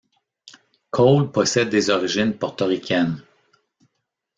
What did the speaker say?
Cole possède des origines portoricaines.